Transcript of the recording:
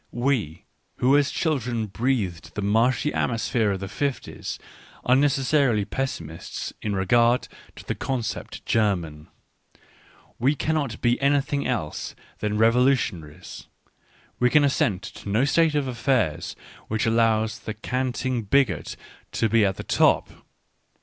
We who as chil dren breathed the marshy atmosphere of the fifties, are necessarily pessimists in regard to the concept "German"; we cannot be anything else than revolu tionaries — we can assent to no state of affairs which allows the canting bigot to be at the top.